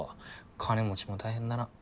金持ちも大変だな。